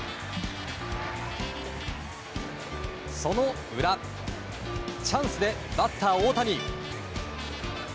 その裏、チャンスでバッター大谷。